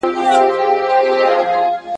پلار د لارې نښه وښوده.